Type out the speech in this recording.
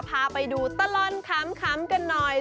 พาไปดูตะล้อนค้ำค้ำกันหน่อย